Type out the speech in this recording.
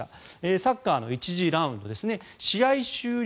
サッカーの１次ラウンドですね試合終了